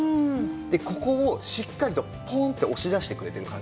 ここをしっかりとポンって押し出してくれてる感じ。